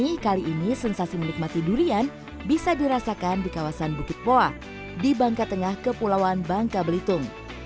tapi kali ini sensasi menikmati durian bisa dirasakan di kawasan bukit poa di bangka tengah kepulauan bangka belitung